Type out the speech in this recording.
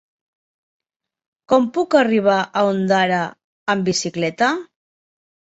Com puc arribar a Ondara amb bicicleta?